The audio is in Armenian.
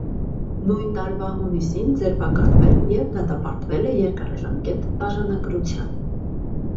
Նույն տարվա հունիսին ձերբակալվել և դատապարտվել է երկարաժամկետ տաժանակրության։